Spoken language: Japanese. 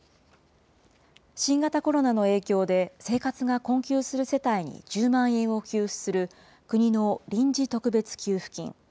新型コロナの影響で、生活が困窮する世帯に１０万円を給付する、国の臨時特別給付金。